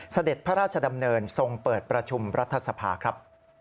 เสด็จพระราชดำเนินทรงเปิดประชุมรัฐสภาครับ